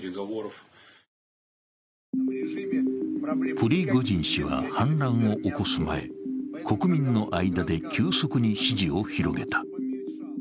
プリゴジン氏は反乱を起こす前、国民の間で急速に支持を広げた。